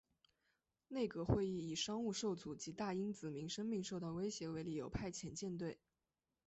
内阁会议以商务受阻及大英子民生命受到威胁为理由派遣舰队。